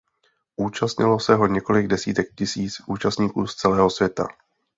Účastnilo se ho několik desítek tisíc účastníků z celého světa.